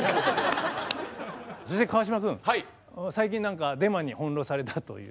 そして川島君最近何かデマに翻弄されたという。